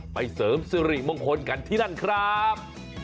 เสริมสิริมงคลกันที่นั่นครับ